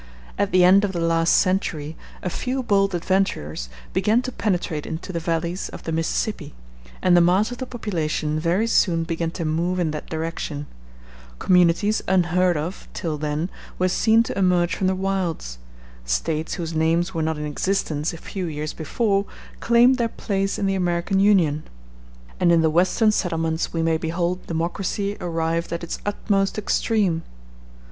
At the end of the last century a few bold adventurers began to penetrate into the valleys of the Mississippi, and the mass of the population very soon began to move in that direction: communities unheard of till then were seen to emerge from the wilds: States whose names were not in existence a few years before claimed their place in the American Union; and in the Western settlements we may behold democracy arrived at its utmost extreme.